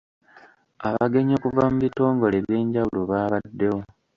Abagenyi okuva mu bitongole eby’enjawulo baabaddewo.